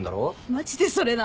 マジでそれな！